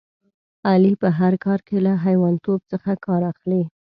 علي په هر کار کې له حیوانتوب څخه کار اخلي.